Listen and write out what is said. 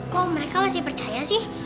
kok mereka masih percaya sih